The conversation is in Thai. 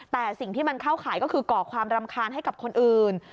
แต่สิ่งที่มันเข้าขายก็คือก่อความรำคาญให้กับคนอื่น